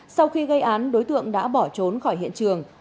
sau khi gây án đối tượng đã bỏ trốn khỏi hiện trường